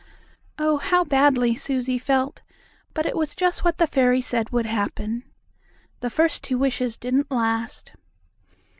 Oh, how badly Susie felt, but it was just what the fairy said would happen. The first two wishes didn't last.